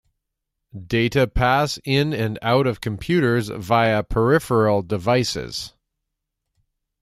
Data pass in and out of computers via peripheral devices.